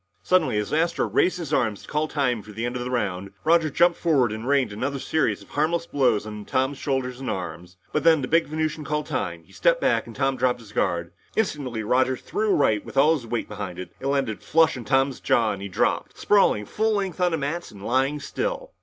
Suddenly, as Astro raised his arm to call time for the end of the round, Roger jumped forward and rained another series of harmless blows on Tom's shoulders and arms. But then, as the big Venusian called time, he stepped back and Tom dropped his guard. Instantly, Roger threw a right with all his weight behind it. It landed flush on Tom's jaw and he dropped, sprawling full length on the mats and lying still.